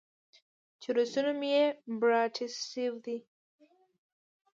چې روسي نوم ئې Bratstvoدے